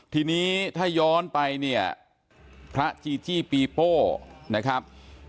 ทีนี้ถ้าย้อนไปเนี่ยพระจีจี้ปีโป้นะครับ